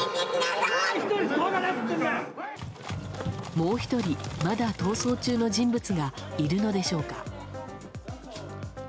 もう１人、まだ逃走中の人物がいるのでしょうか。